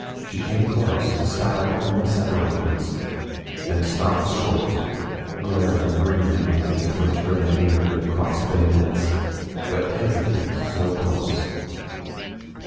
She came close, the stile only separating us, and stopped short, glaring and grinning at me like a French grenadier who has crossed bayonets, but hesitates to close.